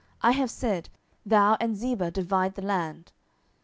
I have said, Thou and Ziba divide the land.